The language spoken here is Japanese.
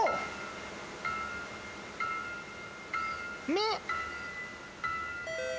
目。